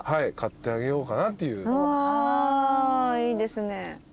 あいいですね。